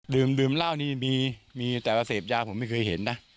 ดื่มเหล้านี่มีแต่ว่าเสพยาผมไม่เคยเห็นนะ